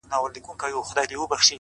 د خاموش کور فضا د ذهن خبرې لوړوي